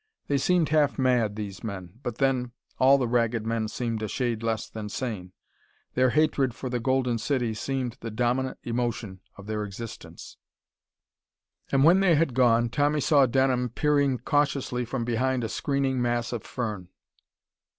They seemed half mad, these men. But then, all the Ragged Men seemed a shade less than sane. Their hatred for the Golden City seemed the dominant emotion of their existence. And when they had gone, Tommy saw Denham peering cautiously from behind a screening mass of fern.